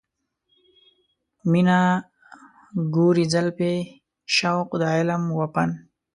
مینه، ګورې زلفې، شوق د علم و فن